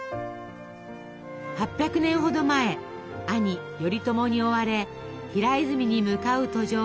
８００年ほど前兄頼朝に追われ平泉に向かう途上